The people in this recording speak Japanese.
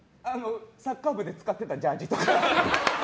サッカー部で使っていたジャージーとか。